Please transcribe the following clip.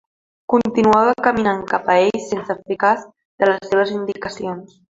Continuava caminant cap a ells sense fer cas de les seves indicacions.